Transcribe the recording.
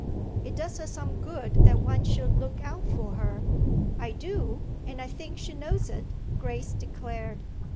"It does her some good that one should look out for her. I do, and I think she knows it," Grace declared.